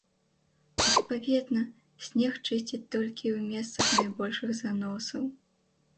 Адпаведна, снег чысцяць толькі ў месцах найбольшых заносаў.